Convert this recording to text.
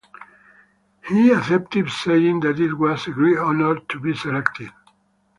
He accepted, saying that it was "a great honour to be selected".